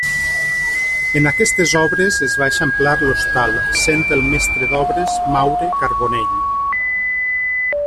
En aquestes obres es va eixamplar l'hostal, sent el mestre d'obres Maure Carbonell.